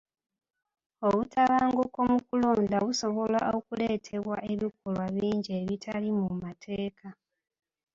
Obutabanguko mu kulonda busobola okuleetebwa ebikolwa bingi ebitali mu mateeka.